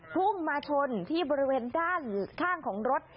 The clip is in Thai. พุ่งมาชนที่บริเวณด้านข้างของรถ